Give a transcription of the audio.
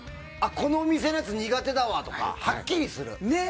この店のやつ苦手だわとかはっきりする。